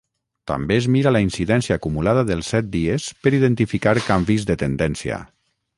També es mira la incidència acumulada dels set dies per identificar canvis de tendència.